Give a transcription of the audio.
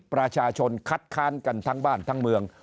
ประชาชนคัดค้านกันทั้งบ้านทั้งเมือง